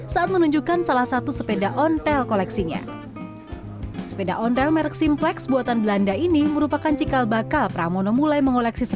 saat menunjukkan salah satu sepeda ontel koleksinya